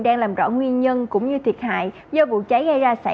đang làm rõ nguyên nhân cũng như thiệt hại do vụ cháy gây ra